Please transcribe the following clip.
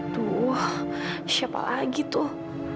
tuh siapa lagi tuh